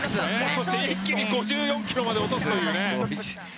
そして一気に５４ｋｍまで落とすというね。